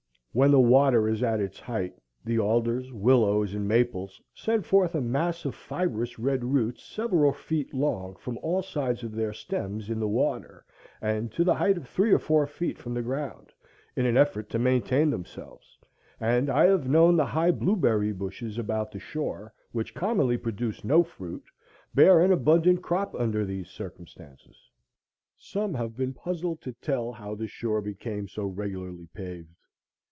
When the water is at its height, the alders, willows, and maples send forth a mass of fibrous red roots several feet long from all sides of their stems in the water, and to the height of three or four feet from the ground, in the effort to maintain themselves; and I have known the high blueberry bushes about the shore, which commonly produce no fruit, bear an abundant crop under these circumstances. Some have been puzzled to tell how the shore became so regularly paved.